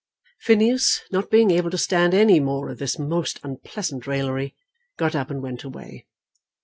Phineas, not being able to stand any more of this most unpleasant raillery, got up and went away.